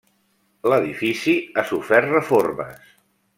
L'edifici ha sofert reformes.